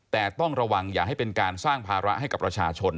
แต่ต้องระวังอย่าให้เป็นการสร้างภาระให้กับประชาชน